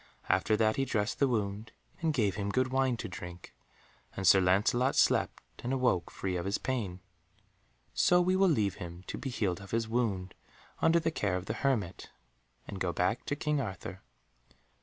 After that he dressed the wound, and gave him good wine to drink, and Sir Lancelot slept and awoke free of his pain. So we will leave him to be healed of his wound, under the care of the hermit, and go back to King Arthur.